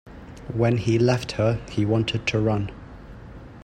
When he left her, he wanted to run.